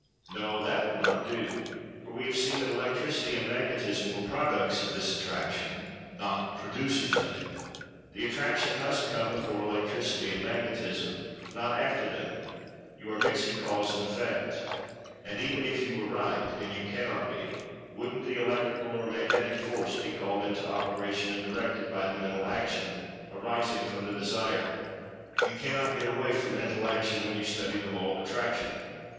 No, that will not do, for we have seen that Electricity and Magnetism were products of this Attraction, not producers of it—the Attraction must come before Electricity and Magnetism, not after them—you are mixing Cause and Effect. And, even if you were right—and you cannot be—wouldn't the Electrical or Magnetic Force be called into operation, and directed by the Mental Action, arising from the Desire? You cannot get away from Mental Action when you study the Law of Attraction.